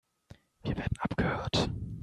Wir werden abgehört.